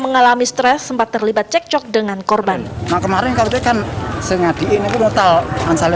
mengalami stres sempat terlibat cekcok dengan korban kemarin katakan sengadi ini total ansali